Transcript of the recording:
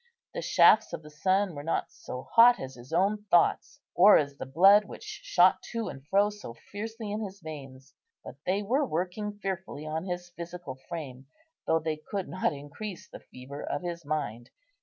The shafts of the sun were not so hot as his own thoughts, or as the blood which shot to and fro so fiercely in his veins; but they were working fearfully on his physical frame, though they could not increase the fever of his mind.